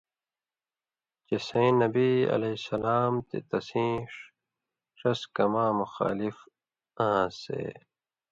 چِہ سَئیں نبی علیہ السلام تے تسِئیں ݜس کماں مخالف آنٚسے